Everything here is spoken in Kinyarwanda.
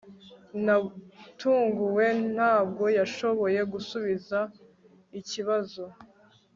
natunguwe, ntabwo yashoboye gusubiza ikibazo